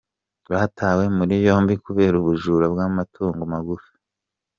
Batawe muri yombi kubera ubujura bw’amatungo magufi